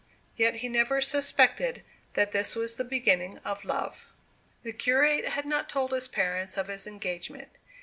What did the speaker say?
Yet he never suspected that this was the beginning of love. The curate had not told his parents of his engagement.